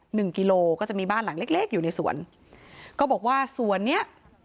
กิโลก็จะมีบ้านหลังเล็กเล็กอยู่ในสวนก็บอกว่าสวนเนี้ย